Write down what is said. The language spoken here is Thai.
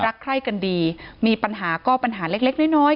รักใครกันดีมีปัญหาก็ปัญหาเล็กน้อย